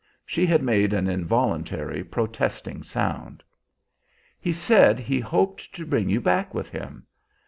She had made an involuntary protesting sound. "He said he hoped to bring you back with him.